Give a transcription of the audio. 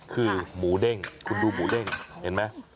คือหมูเด้งคุณดูหมูเด้งเห็นไหม